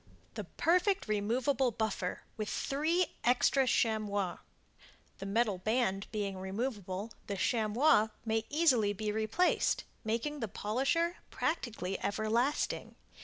The Perfect Removable Buffer with 3 Extra Chamois The Metal Band being removable, the Chamois may be easily replaced, making the polisher practically everlasting.